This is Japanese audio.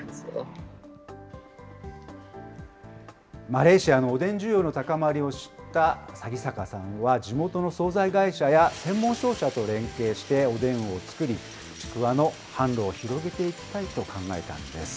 マレーシアのおでん需要の高まりを知った匂坂さんは、地元の総菜会社や専門商社と連携しておでんを作り、ちくわの販路を広げていきたいと考えたんです。